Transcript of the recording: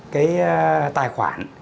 cái tài khoản